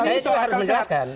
saya harus jelaskan